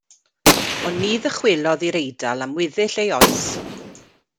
Ond ni ddychwelodd i'r Eidal am weddill ei oes.